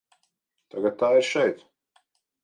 Tagad tā ir šeit.